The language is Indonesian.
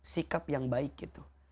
sikap yang baik gitu